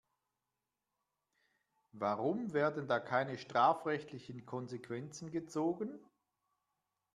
Warum werden da keine strafrechtlichen Konsequenzen gezogen?